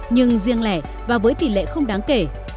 nhưng riêng lẻ và với tỷ lệ không đáng kể